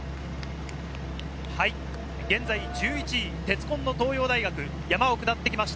現在１１位、鉄紺の東洋大学、山を下ってきました